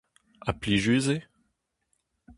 Ha plijus eo ?